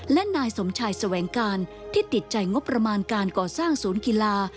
และนายสมชายแสวงการที่ติดใจงบประมาณการก่อสร้างศูนย์กีฬา